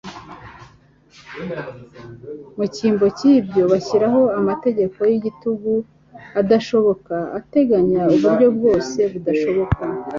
Mu cyimbo cy'ibyo, bashyiraho amategeko y'igitugu adashoboka ateganya uburyo bwose bushoboka.